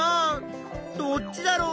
どっちだろう？